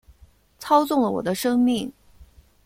操纵了我的生命